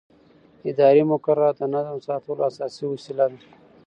اداري مقررات د نظم ساتلو اساسي وسیله ده.